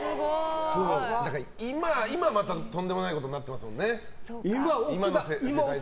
今また、とんでもないことになってますもんね。